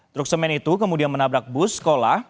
truk semen itu kemudian menabrak bus sekolah